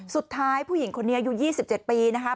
สุดท้ายผู้หญิงคนนี้อยู่๒๗ปีนะครับ